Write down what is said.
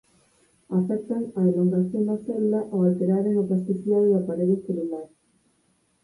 Afectan a elongación da célula ao alteraren a plasticidade da parede celular.